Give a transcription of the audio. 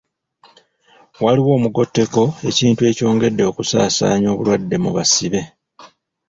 Waliyo omugotteko, ekintu ekyongedde okusaasaanya obulwadde mu basibe.